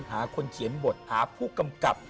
หาคนเขียนบทหาผู้กำกับ